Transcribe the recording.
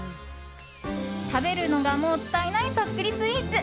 食べるのがもったいないそっくりスイーツ。